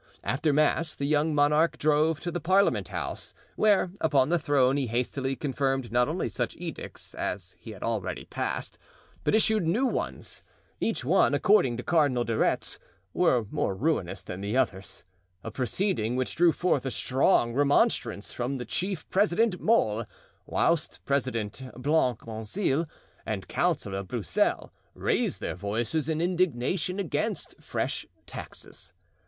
After mass the young monarch drove to the Parliament House, where, upon the throne, he hastily confirmed not only such edicts as he had already passed, but issued new ones, each one, according to Cardinal de Retz, more ruinous than the others—a proceeding which drew forth a strong remonstrance from the chief president, Molé—whilst President Blancmesnil and Councillor Broussel raised their voices in indignation against fresh taxes.